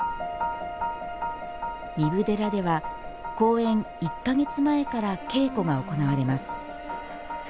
壬生寺では、公演１か月前から稽古が行われます。